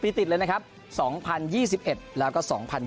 ติดเลยนะครับ๒๐๒๑แล้วก็๒๐๒๐